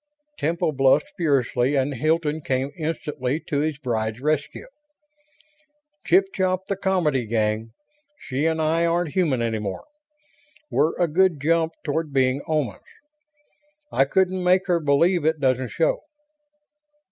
Temple blushed furiously and Hilton came instantly to his bride's rescue. "Chip chop the comedy, gang. She and I aren't human any more. We're a good jump toward being Omans. I couldn't make her believe it doesn't show."